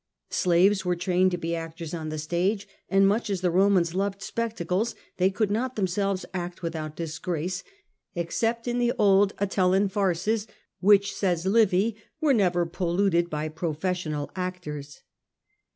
Slaves were trained to be actors on the stage; and much as the Romans loved spectacles, they could not themselves act without disgrace, ex cept in the old Atellan farces, which, says Livy, were never polluted by professional actors.